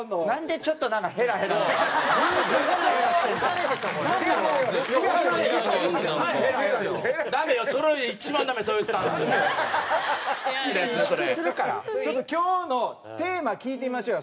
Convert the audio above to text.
ちょっと今日のテーマ聞いてみましょうよ。